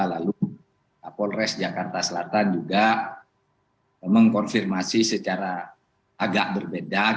lalu polres jakarta selatan juga mengkonfirmasi secara agak berbeda